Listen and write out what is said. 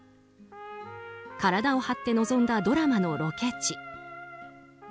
体を張って臨んだドラマのロケ地。